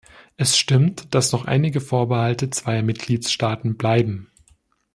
Es stimmt, dass noch einige Vorbehalte zweier Mitgliedstaaten bleiben.